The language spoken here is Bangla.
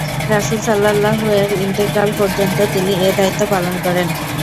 রাসূল সা: এর ইনতিকাল পর্যন্ত তিনি এ দায়িত্ব পালন করেন।